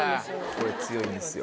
これ強いんですよ。